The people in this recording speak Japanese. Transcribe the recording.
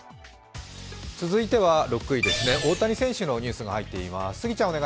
続いては６位ですね、大谷選手のニュースが入っています。